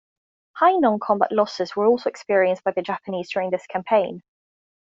High non-combat losses were also experienced by the Japanese during this campaign.